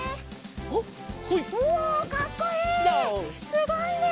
すごいね。